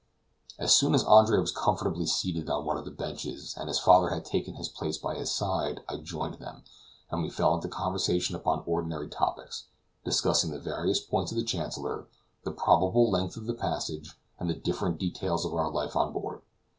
As soon as Andre was comfortably seated on one of the benches, and his father had taken his place by his side, I joined them, and we fell into conversation upon ordinary topics, discussing the various points of the Chancellor, the probable length of the passage, and the different details of our life on board.